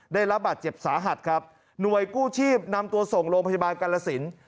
ได้รับบาดเจ็บสาหัสครับหน่วยกู้ชีพนำตัวส่งโรงพยาบาลกาลสิน